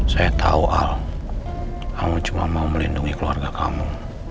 saya tahu al kamu cuma mau melindungi keluarga kamu